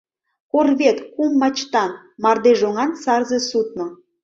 Корвет — кум мачтан, мардежоҥан сарзе судно.